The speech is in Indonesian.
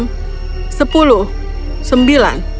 tidak tunggu hentikan maaf